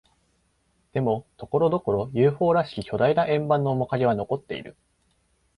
でも、ところどころ、ＵＦＯ らしき巨大な円盤の面影は残っている。